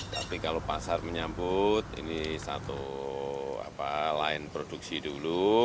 tapi kalau pasar menyambut ini satu lain produksi dulu